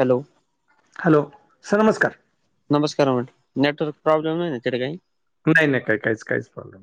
Hello. Hello sir नमस्कार! नमस्कार म्हटलं नेटवर्क प्रॉब्लेम नाय ना काय. नाय नाय काय काय कायच प्रॉब्लेम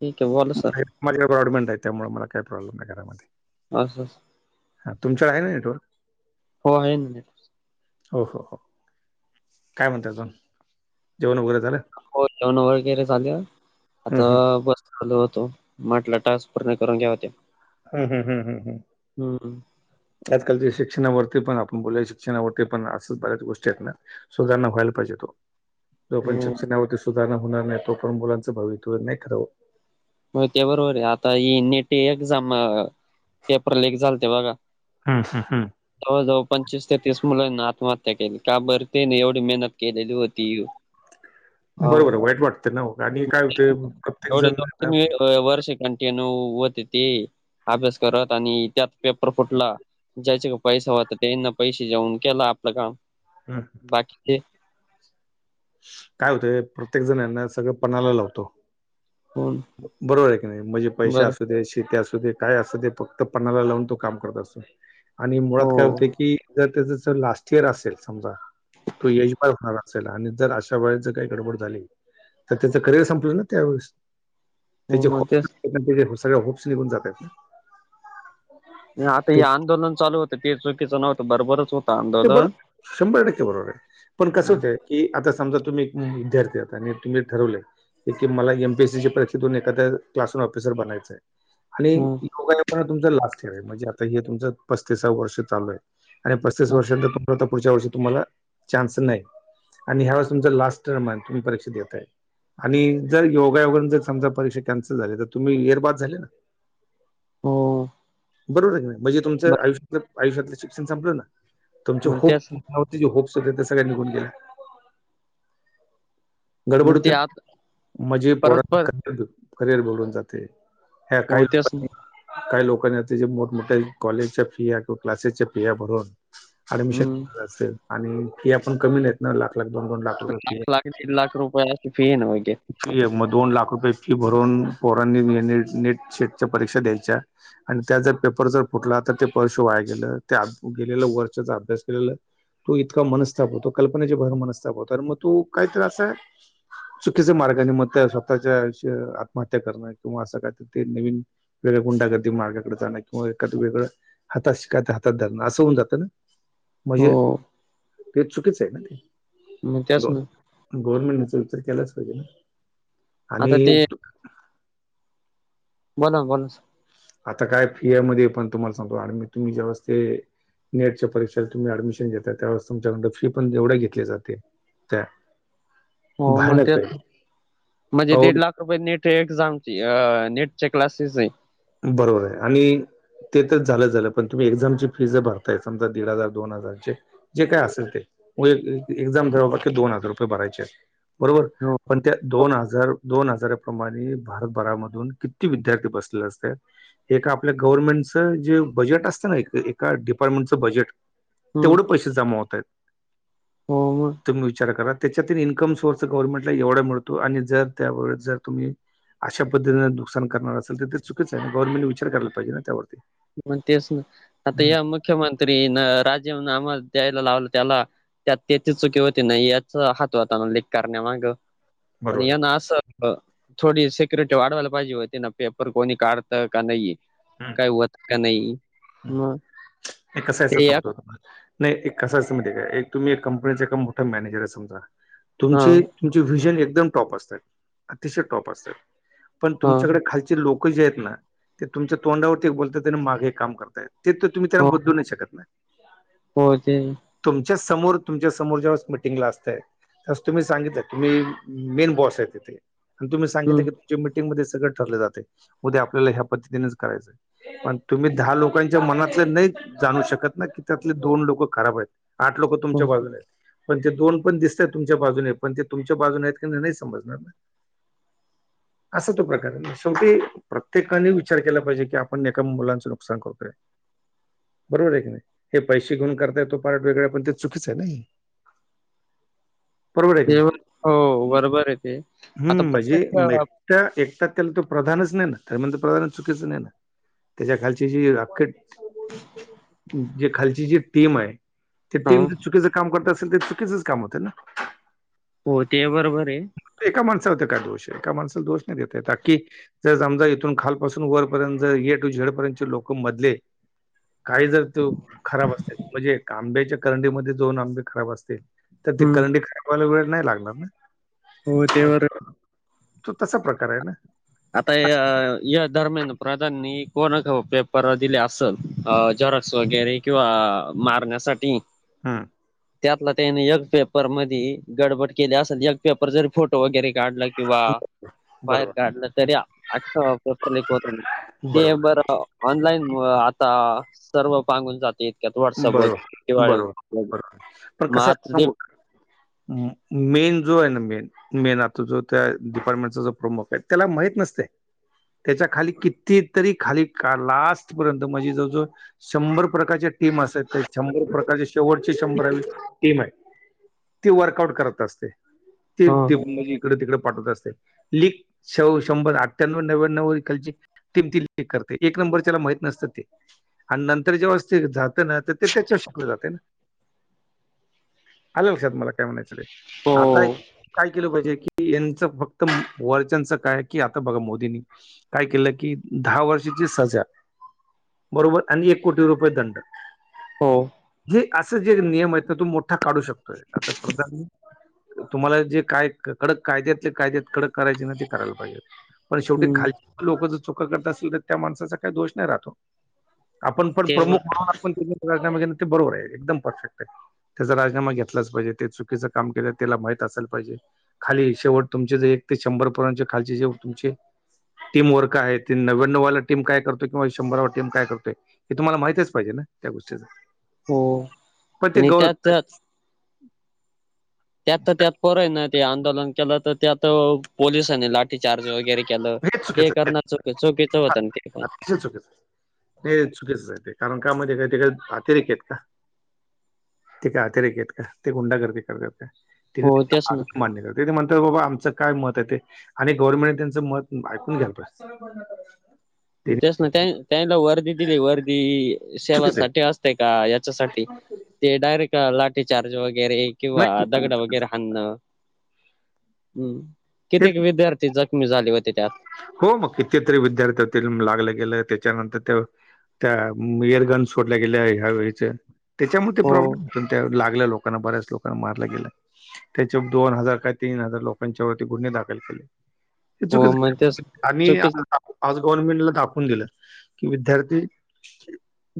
ठीक आहे बोला सर मला प्रॉब्लेमंट आहे त्यामुळे मला काही प्रॉब्लेम नाही घरामध्ये असं [unintelligible] तुमच्याकडे हाय ना नेटवर्क. हो आहे ना नेट हो हो हो काय म्हणता अजून जेवण वगैरे झालं. हो जेवण वगैरे झालं हं, आता हं. बस. लू होतो माटला टास्क पूर्ण करून घ्या होत्या [unintelligible] हम हम हम हम हम. हम्म. आजकालच्या शिक्षणावरती पण आपण बोलाय शिक्षणावरती पण असंच बऱ्याच गोष्टी आहेत ना. सुधारणा व्हायला पाहिजेल ओ. पण हम्म शिक्षणावरती सुधारणा होणार नाही तोपर्यंत मुलांचं भवितव्य नाही ठरवावं. अहो ते बरोबर हाय आताही नीट एक्झाम पेपर लीग झाले ते बघा. हम् हम् हम. जवळजवळ पंचवीस ते तीस मुलांना आत्महत्या केली का बर तेने एवढी मेहनत केलेली होती. अ बरोबर वाईट वाटते ना आणि काय होते प्रत्येक जण. दोन म. [unintelligible] ना एवढे वर्ष कंटिन्यू ती होते अभ्यास करत आणि त्यात पेपर फुटला. ज्याच्या को पैसा होता त्याने केलं पैसा देऊन आपलं काम. हम्. बाकीचे? काय हाय ना प्रत्येक जण सगळं पणाला लावतो. कोण बरोबर आहे की नाही म्हणजे पैसे बरं असू दे शेती असू दे. काय असं ते फक्त पणाला लावून तो काम करत असत आणि हो मुळात काय होते कीर त्याचा जर लास्ट इयर असेल समजा तो यशमाळ होणार असेल आणि जर अशा वेळेस जर काही गडबड झाली. तर त्याचं करिअर संपलं ना त्यावेळेस हो त्याचे मग तेच त्या सगळ्या होप्स निघून जातात. आता हे ते आंदोलन चालू होतं ते चुकीच नव्हतं बरोबरच होत. ते बरोबर शंभर टक्के बरोबर आहे पण कसं हम्म, होतंय. कि आता समजा तुम्ही एक विद्यार्थी आता आणि तुम्ही ठरवलंय. की मला एमपीएसीच्या परीक्षेतून एखा्या क्लास वन ऑफिसर बनायचंय. आणि हम्म, योगायोगाने तुमच लास्ट इयर आहे म्हणजे आता हे तुमच पस्तीसाव वर्ष चालू आहे आणि वर्ष त पुढच्या वर्षी तुम्हाला चान्स नाय. आणि ह्यावेळेस तुमचा लास्ट टर्म तुम्ही परीक्षा देता. आणि जर योगायोगाने जर समाजा परीक्षा कॅन्सल झाल्या तर तुम्ही इअर बाद झाले ना. हो बरोबर आहे म्हणजे तुमचं बर आयुष्यात आयुष्यातलं शिक्षण संपलं ना. तुमचे मग होप तेच नव्हते होप्स होते ते सगळे निघून गेलेमी. मग गडबडत ते होते आता ना म्हणजे परत पोरा परत करिअर बोलून जाते ह्या हो काही तेच ना लोकांनी काही लोकांनी आता ज मोठमोठ्या कॉलेजच्या फी आहे किंवा क्लासेसच्या फी आहे भरून. हम्म अऍडमिशन आणि फीया पण कमी नाहीेत ना लाख लाख दोन दोन लाख. रुपये लाख लाख दीड लाख रुपयाची फी हाय ना होय गे. फी आहे मग दोन लाख रुपये फी भरून पोरांनी नेट सेटच्या परीक्षा द्यायच्या. आणि त्या जर पेपर जर फुटला तर ते वर्ष वाया गेलं त्या गेलं वर्षाचा अभ्यास केलेला. तू इतका मनस्ताप होतो कल्पनेचे भर मनस्ताप होतो आणि मग तू काय त्रास आहे. चुकीचे मार्गानी आणि मग स्वतःच्या आत्महत्या करण किंवा असं काय ते नवीन. गुंडागर्दी मार्गाकडे जाणं किंवा वेगळं. हातात शिकायच हातात धरण असं होऊन जातं ना हो म्हणजे ते चुकीच आहे ना ते. मग त्याच ना. गव्हर्नमेंट ने याचा विचार केलाच पाहिजे ना. आता आणि ते तु- बोला ना बोला. आता काय फियामध्ये पण तुम्हाला सांगतो आणि मी तुम्ही जेवस्ते नेटच्या परीक्षेला तुम्ही ऍडमिशन घेता त्यावेळेस तुमच्याकडन फी पण तेवढे घेतली जाते. तर. हो मग तेच म्हणजे अहो दीड लाख. नेट आहे एक्झामची अ नेट चे क्लासेस आहे. बरोबर आहे आणि ते तरच झालं झालं पण तुम्ही एक्झामची फी ज भरताय समजा दीड हजार दोन हजारचे. जे काय असेल ते मग एक्झाम ठकी दोन हजार रुपये भरायचे आहेत बरोबर. हो. पण त्या दोन हजार दोन हजाराप्रमाणे भारतभरामधून किती विद्यार्थी बसले अस. ए आपल्या गव्हर्नमेंटचं जे असतं ना डिपार्टमेंटचं बजेट. हम्म तेवढं पैसे जमा होत आहेत. हो मग. तुम्ही विचार करा त्याच्यात इन्कम सोर्स गव्हर्नमेंटला एवढा मिळतो आणि जर त्या वळेस जर तुम्ही अशा पद्धतीनें नुकसान करणार असेल ते चुकीच आहे गव्हर्नमेंटने विचार करायला पाहिजे ना त्यावरती. मग तेच ना आता या मुख्यमंत्री न राजीनामा द्यायला लावलं त्याला. त्यात त्याची चुकी होती नाही याच हात होता ना लीख कारण्यामागं पण बरोबर या आहे. ना असं थोडी सेक्युरिटी वाढवायला पाहिजे होती ना पेपर कोणी काढतं का नाही. हम्म. काय होत का नाही मग. हे कसा ते असत एक सांगतो तुम्हाला नाही एक कस असतं माहिती काय एक तुम्ही एक कंपनीच एका मोठा मॅनेजर आहे समजा हा तुमची तुमचे व्हिजन एकदम टॉप असतात अतिशय टॉप असतात. पण हा तुमच्याकडे खालचे लोक जे आहेत ना ते तुमच्या तोंडावरती ते बोलतात त्यां मागे हे काम करताय ते तर तुम्ही हो त्यांना बदलू नाही शकत नाही. हो ते तुमच्या समोर तुमच्या समोर जेव्हा मिटिंगला असतय तुम्ही सांगितलं तुम्ही मेन बॉस आहे तिथे आणि तुम्ही हम्म सांगितलं की मीटिंगमध्ये सगळं ठरले जाते ऊद्या आपल्याला ह्या पद्धतीनेच करायचं पण तुम्ही दहा लोकांच्या मनात नयी नाही जाणू शकत ना की त्यातले दोन लोक खराब आहेत आठ लोक तुमच्या हो बाजून आहेत. पण ते दोन पण दिसतय तुमच्या बाजूने पण ते तुमच्या बाजूने आहेत नाही समजणार ना. [inaudible] [unintelligible] असा तो प्रकार आहे शेवटी प्रत्येकाने विचार केला पाहिजे की आपण एका मुलांचं नुकसान करतोय. बरोबर आहे की नाही हे पैसे घेऊन करताय तो पार्ट वेगळां पण ते चुकीच आहे ना हे. बरोबर आहे की ते बर- हो नाही बरोबर आहे ते आता हम्म म्हजे प्रत्येक अ, एक त्या एकटा त्याला तो प्रधानच नाही धर्मेंद्र प्रधानच चुकीच नाही ना. त्याच्या खालीच जे खालची जी टीम आहे ते हा टीम चुकीच काम करत असेल तर चुकीचंच काम होतं ना. हो ते बरोबर आहे. एका माणसाला काय दोष आहे एका माणसाला दोष नाही देेत ताकी जर समजा इथून खालपासून वरपर्यंत जर ये टू झेड पर्यंतचे लोक मधले आहेत काही जर ते खराब असतील म्हणजे आंब्याच्या करंडीमध्ये दोन आंबे खराब असतील तर ते हम्म करंडी खराब व्हायला वेळ नाही लागणार ना हो मग तेवर तो तसा प्रकार आहे ना. आता या धर्मेंद्र प्रधान नी कोणाजवळ पेपर दिले असल. अ झेरॉक्स वगैरे किंवा मारण्यासाठी हम्म. त्यातला त्याने एक पेपर मध्ये त्यांनी गडबड केली असेल एक पेपर जरी फोटो वगैरे काढला किंवा बाहेर बरोबर काढल तरी अख्खा पेपर लीक होत ना बरोबर. ते बरं ऑनलाईन आता सर्व पांगून जात इतक्यात व्हाट्सअप बरोबर, वगैरे किंवा बरोबर, बरोबर. पण म कसं आता असतं ते सांगू का? मेन जो आहे ना मेन मेन आता जो त्या डिपार्टमेंटचा जो प्रमुख आहे त्याला माहित नसते. त्याच्या खाली किती तरी खाली लास्ट पर्यंत म्हणजे जवळ जवळ शंभर प्रकारचे टीम अस ते शंभर प्रकारची शेवटची शंभरावी टीम आहे. ते वर्कआउट करत असते ते हो म्हणजे इकडे तिकडे पाठवत असते लीक शंभर अठण्याव नव्याण्व खलची. टीम ती ले करते एक नंबर माहित नसत ते नंतर जेव्हा ते. ते त्याच्या शोकले जातयना आल लक्षात मला काय म्हणायचं ते. हो. आता काय केलं पाहिजे की यांचं फक्त वर्च्यांच काय की आता बघा मोदींनी. काय केलं की दहा वर्षाची सजा बरोबर आणि एक कोटी रुपये दंड. हो जी असं जे नियम आहेत तोम मोठा काढू शकतोय आत्ता प्रधान. तुम्हाला जे काय कडक कायद्यातले कायद्यात कडक करायचे ना ते करायला पाहिजे. पण शेवटी हम्म खाल लोक जर चुक करत असेल तर त्या माणसाचा काही दोष नाही राहतो. आपण पण ते प्रमुख बर म्हहण ते बरोबर आहे एकदम परफेक्ट आहे. त्याचा राजीनामा घेतलाच पाहिजे ते चुकीचं काम केलं त्याला माहीत असेल पाहिजे. खाली शेवट तुमचे जे एक ते शंभर पर्यंतच्या खालचे जेव तुमचे. टीम वर्क आहे तेी नव्याण्णववाला टीम काय करतो किंवा शंभराला टीम काय करतय. हे तुम्हाला माहितच पाहिजे ना त्या गोष्टीच. हो पण ते आणि गव त्यात त्यात. त्यात तर त्यात पोर आहेत ना ते आंदोलन केलं तर त्यात पोलिसांनी लाठीचार्ज वगैरे. केलं हे ते चुकीचं करण्यात चुकी चुकीचं होतं ना ते. चुकीच आहे नाही चुकीच आहे ते कारण का मध्ये काहीतरी का अतिरेक आहेत का. ते काय अतिरेक आहेत का ते गुंडा गर्दी करतात ते हो तेच ना. मान्य कर. ते ते म्हणतात बाबा आमचं काय मत आहे ते आणि गव्हर्नमेंट त्यांचं मत ऐकून घ्याय पाहिजे. ते तेच ना त्या त्यांला वर्दी दिली वर्दी चुकीचं आहे सेवासाठी असते. ते का याच्यासाठी ते डायरेक्ट लाठी चार्ज वगैरे. किंवा नाही दगड वगैरे हाणं हम्. हे कित्येक विद्यार्थी जखमी झाले होते त्यात हो मग कितीतरी विद्यार्थी होतील लागलं गेलं त्याच्यानंतर ते. त्या इयरगन सोडल्या गेल्या ह्यावेळीच त्याच्यामध्ये ते हो प्रॉब्लेम होत त्या लागल्या लोक. आणि बऱ्याच लोकांना मारलं गेला त्याच्या दोन हजार का तीन हजार लोकांच्या गुनहे दाखल केले हे हो चुकीचं मग तेच केलं आणि चुकीच त्ता आज गव्हर्नमेंटला दाखवून दिलं की विद्यार्थी.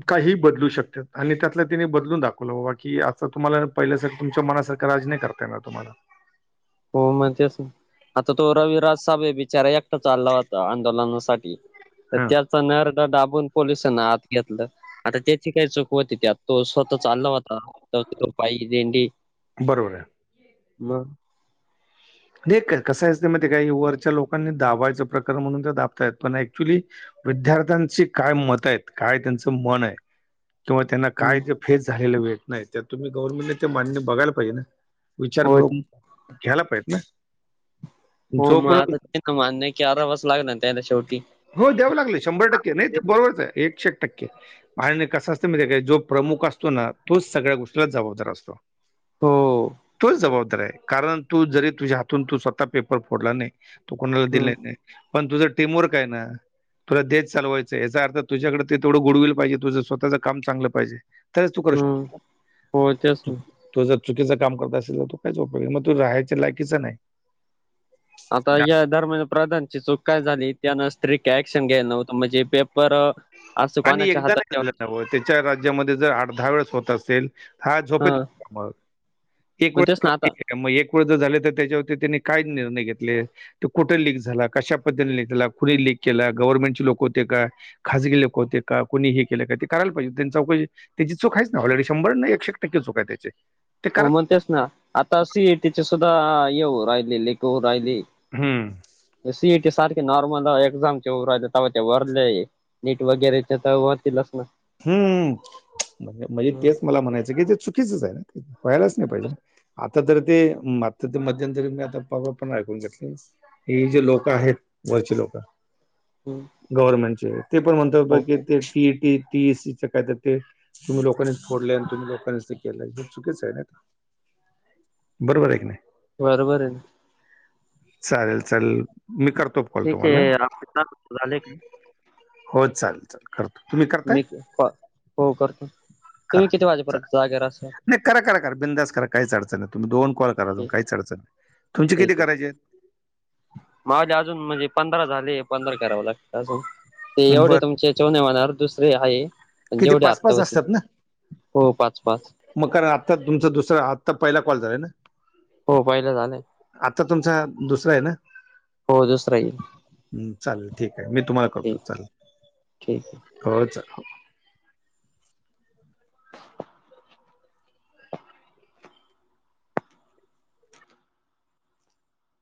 काही बदलू शकतात आणि त्यातला तिने बदलून दाखवलं बाबा की आता तुम्हाला पहिल्यासारखं तुमच्या मनासारखं राज नाही करत. त्यांना तुम्हाला. हो मज अस. आता तो रविराज साब बिचारा एकटा चालला होता आंदोलनासाठी. तर हा त्याचा नरड दाबून पोलिसांनी आत घेतलं आता त्याची काही चूक होती त्यात. तो स्वतः चालला होता त्या तो पायी दिंडी बरोबर आहे मग. नाही कस असते माहिती काय काही वरच्या लोकांनी दाबायचं प्रकार म्हणून ते दाबतायत पण ऍक्च्युली. विद्यार्थ्यांची काय मत आहेत काय त्यांचं मन आहे. किंवा त्यांना काय हम्म जे फेस झालेलंेट नाही त्या तुम्ही गव्हर्मेंटने ते मान्य बघायला पाहिजे ना. हो विचारपूर्वक ती घ्यायला पाहिेत ना. हो मग जोपर्यंत आता ते ना मान्य की अरा वाजस लागला त्याला शेवटी. हो द्याव लागल शंभर टक्के नाही बरोबरच आहे एक शक्य. टक्के आणि कसं असतं माहिती आहे काय जो प्रमुख असतो ना तोच सगळ्या गोष्टीला जबाबदार असतो. हो तोच जबाबदार आहे कारण तू जरी तुझ्या हातून तू स्वतः पेपर फोडला नाही. तू कोणाला हम्म दिले नाही पण तुझं टीमवर्क आहे ना. तुला देश चालवायचंय, याचा अर्थ तुझ्याकडे तेवढं गुड विल पाहिजे, तुझं स्वतःच काम चांगलं पाहिजे. तरच तू करू हम्म शक हो तेच ना तु जर चुकीचं काम करत असल तर तूझा कायच उपयोग, मग तू राहायच्या लायकीचा नाही. आता या दर महिना प्रधानची चुक काय झाली, त्यानं स्ट्रिक ऍक्शन घ्यायला नव्हतं, म्हणजे पेपर असं आणि कोणाच्या एकदा हातात नाही झालं ठेवून. ना, त्याच्या राज्यामध्ये जर आठ दहा वेळेस होत असेल, हा झोपेतून उठलो, मग एक मग वेळ तेच ना [unintelligible] आता त्या मग एक वेळ जर झाले तर त्याच्यावरती त्यांनी काय निर्णय घेतलेत. ते कुठं लीक झाला, कशा पद्धतीने लीक झाला, कुणी लीक केला, गव्हर्नमेंटची लोकं होते का? खाजगी लोक होते का, कोणी हे केलं का ते करायला पाहिजे त्यांचा त्याची चूक आहेच ना ऑलरेडी, शंभर नाई एकशे टक्के चूक आहे त्याची. ते हो करा म्हग तेच ना, आता सीएयटीचे सुद्धा ये होऊ राहिले लीक होऊ राहिले. हम्म. त्या सी ई टी सारखे नॉर्मल एक्झामचे होऊ राहिले तेव्हा ते वरले नीट वगैरेच्या तर व्हतीलच ना. हम्म, म्हणजे हम्म तेच मला म्हणायचं की ते चुकीचच आहे,, व्हायलाच नाही पाहिजे. आता तर ते, मागचं ते मध्यंतरी मी आता प पण ऐकून घेतलं. ही जे लोकं आहेत, वरची लोकं हम्म. गव्हर्नमेंटचे, ते पण म्हणतात हो की ते टीईटी, टीईसीच का काय तर ते तुम्ही लोकांनीच फोडलय आणि तुम्ही लोकांनीच ते केलंय, हे चुकीच आहे ना. बरोबर आहे क नाही. बरोबर आहे. चालेल चालेल, मी करतो कॉल ठीक तुम्हाला. आहे आपले दहा मिनिट झाले का हो चालेल चालेल. करतो, तुम्ही क मी हो करतो, करा तुम्ही किती वाजेपर्यंत चालेल जागे राहसाल? नाही करा करा करा बिंदास करा काहीच अडचण नाही, तुम्ही दोन कॉल करा अजून, ठीक काहीच अडचण नाही, तुमची ठीक किती आहे. करायचेत? माझे अजून म्हणजे पंधरा झाले, पंधरा करावं लागतेत अजून. ते आहेत एवढे तुमचे बरं याच्यावर नाही होणार, दुसरे आहे. अन् किती जेवढे पाच आत्ता पाच होतील, असतात ना हो पाच पाच. मग करा आत्ता तुमचा दुसरा आत्ता पहिला कॉल झालाय ना. हो पहिला झालाय. आता तुमचा दुसरा आहे ना. हो दुसरा येईल हम्म चालेल ठीक आहे, मी तुम्हाला करतो ठीक चालेल. ठीक आहे. हो चालेल.